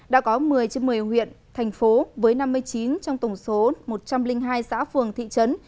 đã có một mươi trên một mươi huyện thành phố với năm mươi chín trong tổng số một trăm linh hai xã phường thị trấn